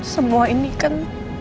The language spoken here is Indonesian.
semua ini kan